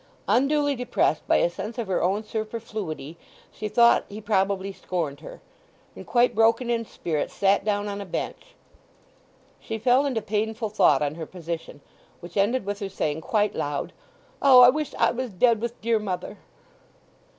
Unduly depressed by a sense of her own superfluity she thought he probably scorned her; and quite broken in spirit sat down on a bench. She fell into painful thought on her position, which ended with her saying quite loud, "O, I wish I was dead with dear mother!"